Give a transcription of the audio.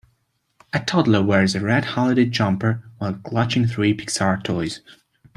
A toddler wears a red holiday jumper while clutching three Pixar toys.